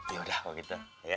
ya udah kalau gitu